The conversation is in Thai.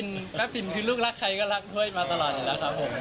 แป๊บสินคือลูกรักใครก็รักด้วยมาตลอดอยู่แล้วครับผม